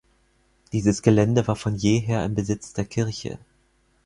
Dieses Gelände war von jeher im Besitz der Kirche.